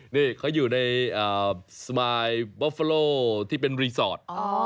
นี่เขาอยู่ในสมายบอฟเฟอร์โลที่เป็นรีสอร์ท